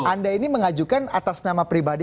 anda ini mengajukan atas nama pribadi